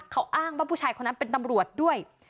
เขาอ้างว่าผู้ชายคนนั้นเป็นตำรวจด้วย